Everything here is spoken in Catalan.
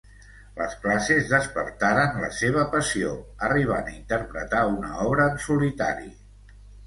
Les classes despertaren la seva passió, arribant a interpretar una obre en solitari.